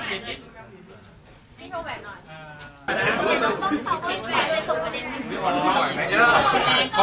พี่ที่โชว์แหวนเลย